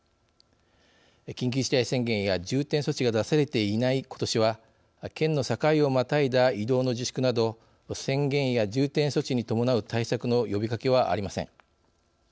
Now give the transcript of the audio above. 緊急事態宣言や重点措置が出されていないことしは県の境をまたいだ移動の自粛など宣言や重点措置に伴う対策の呼びかけはありません。